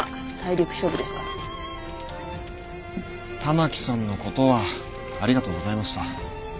環さんのことはありがとうございました。